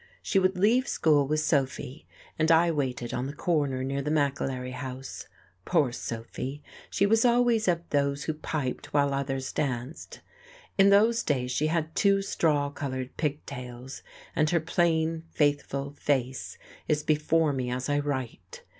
She would leave school with Sophy, and I waited on the corner near the McAlery house. Poor Sophy! She was always of those who piped while others danced. In those days she had two straw coloured pigtails, and her plain, faithful face is before me as I write.